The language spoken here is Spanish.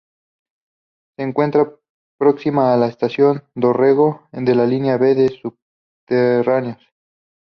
Se encuentra próxima a la Estación Dorrego de la línea B de subterráneos.